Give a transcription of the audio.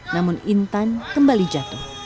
namun intan kembali jatuh